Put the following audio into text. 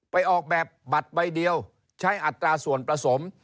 ออกแบบบัตรใบเดียวใช้อัตราส่วนผสม